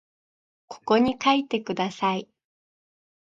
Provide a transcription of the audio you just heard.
ここに書いてください